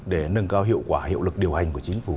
để nâng cao hiệu quả hiệu lực điều hành của chính phủ